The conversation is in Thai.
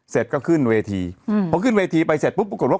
เสร็จก็ขึ้นเวทีอืมพอขึ้นเวทีไปเสร็จปุ๊บปรากฏว่า